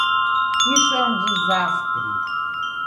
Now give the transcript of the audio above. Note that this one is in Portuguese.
Isso é um desastre.